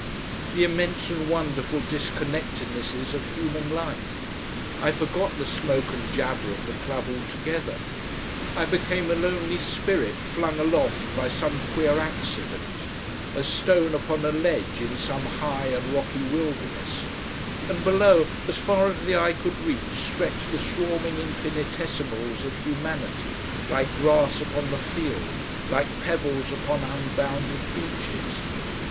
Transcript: The immense and wonderful disconnectednesses of human life! I forgot the smoke and jabber of the club altogether; I became a lonely spirit flung aloft by some queer accident, a stone upon a ledge in some high and rocky wilderness, and below as far as the eye could reach stretched the swarming infinitesimals of humanity, like grass upon the field, like pebbles upon unbounded beaches.